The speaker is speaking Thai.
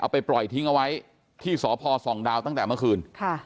ไปปล่อยทิ้งเอาไว้ที่สพส่องดาวตั้งแต่เมื่อคืน